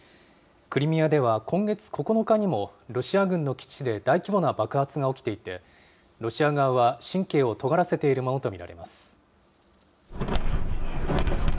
クリミアでは今月９日にも、ロシア軍の基地で大規模な爆発が起きていて、ロシア側は神経をとがらせているものと見られます。